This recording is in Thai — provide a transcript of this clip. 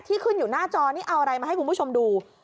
ขึ้นอยู่หน้าจอนี่เอาอะไรมาให้คุณผู้ชมดู